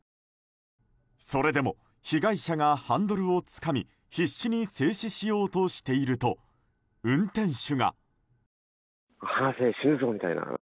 それでも被害者がハンドルをつかみ必死に制止しようとしていると運転手が。